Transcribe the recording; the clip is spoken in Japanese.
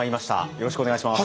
よろしくお願いします。